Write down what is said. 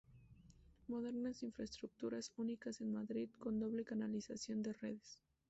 Modernas infraestructuras, únicas en Madrid, con doble canalización de redes.